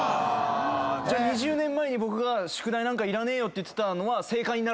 じゃあ２０年前に僕が宿題なんかいらねえよって言ってたのは正解になる？